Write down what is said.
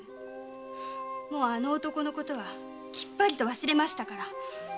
もうあの男のことはきっぱりと忘れましたから。